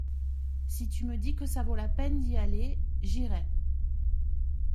Si tu me dis que ça vaut la peine d’y aller j’irai.